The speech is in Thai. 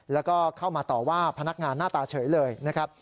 แล้วก็เข้ามาต่อว่าพนักงานหน้าตาเฉยเลยนะครับ